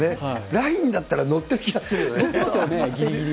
ラインだったら乗ってる気がしますよね。